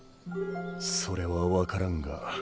それは分からんが。